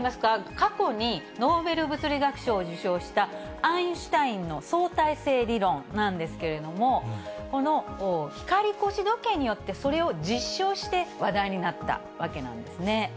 過去にノーベル物理学賞を受賞した、アインシュタインの相対性理論なんですけれども、この光格子時計によって、それを実証して話題になったわけなんですね。